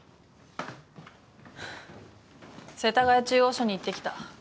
世田谷中央署に行ってきた。